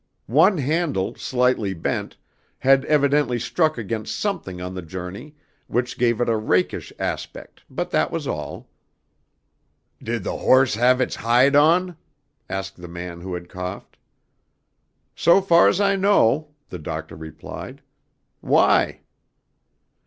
One handle, slightly bent, had evidently struck against something on the journey, which gave it a rakish aspect, but that was all." "Did the horse have its hide on?" asked the man who had coughed. "So far's I know," the Doctor replied. "Why?"